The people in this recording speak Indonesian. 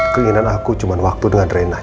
keinginan aku cuma waktu dengan rena